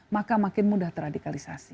maka makin mudah terradikalisasi